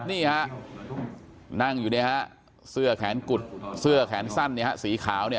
นี่ฮะนั่งอยู่เนี่ยฮะเสื้อแขนกุดเสื้อแขนสั้นเนี่ยฮะสีขาวเนี่ย